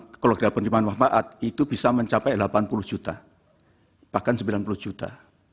kalau dihitung oleh pemerintah maha maat itu bisa mencapai delapan puluh juta bahkan sembilan puluh juta